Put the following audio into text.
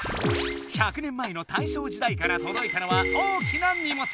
１００年前の大正時代から届いたのは大きな荷物！